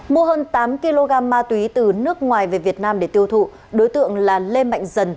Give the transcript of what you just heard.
mua hơn tám kg ma túy từ nước ngoài về việt nam để tiêu thụ đối tượng là lê mạnh dần